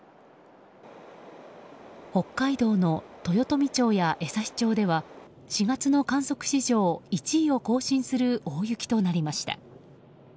北海道の豊富町や枝幸町では４月の観測史上１位を更新する大雪となりました。